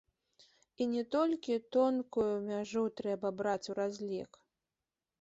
І не толькі тонкую мяжу трэба браць у разлік.